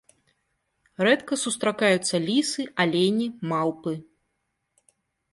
Рэдка сустракаюцца лісы, алені, малпы.